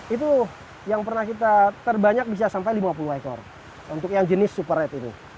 itu yang pernah kita terbanyak bisa sampai lima puluh ekor untuk yang jenis super red itu